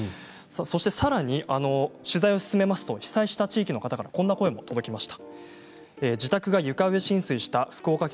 さらに取材を進めると被災した地域の方からこんな声が届きました。